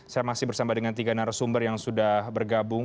saya masih bersama dengan tiga narasumber yang sudah bergabung